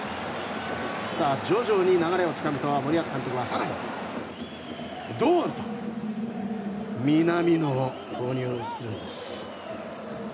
徐々に流れをつかむと森保監督は更に堂安と南野を投入するんです。